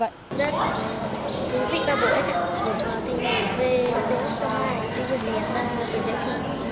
rất thú vị và bổ ích để họ tìm hiểu về sự phục sống và tình dục trẻ em và người dạy thị